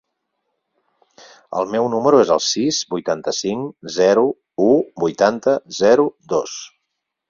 El meu número es el sis, vuitanta-cinc, zero, u, vuitanta, zero, dos.